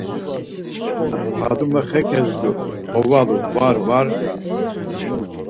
Fadume xe kezdu, ovalu: “Var, var…” ya.